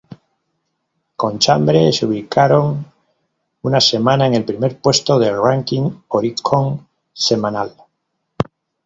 Con Chambre se ubicaron una semana en el primer puesto del ranking Oricon semanal.